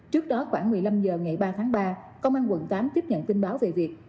trước đó khoảng một mươi năm h ngày ba tháng ba công an quận tám tiếp nhận tin báo về việc